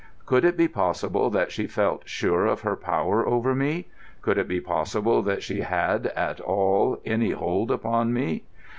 Could it be possible that she felt sure of her power over me? Could it be possible that she had, at all, any hold upon me?